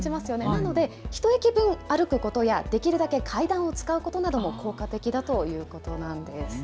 なのでひと駅分歩くことやできるだけ階段を使うことなども効果的だということなんです。